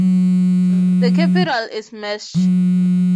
The capital is Mersch.